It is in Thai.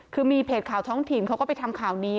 คือมีเพจข่าวท้องถิ่นเขาก็ไปทำข่าวนี้